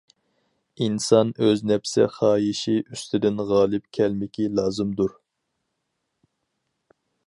ئىنسان ئۆز نەپىسى خاھىشى ئۇستىدىن غالىپ كەلمىكى لازىمدۇر.